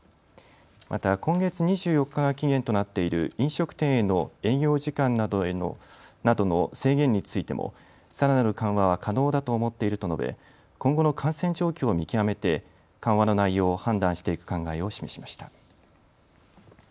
また今月２４日が期限となっている飲食店への営業時間などの制限についてもさらなる緩和は可能だと思っていると述べ今後の感染状況を見極めて緩和の内容を判断していく考えを示しました。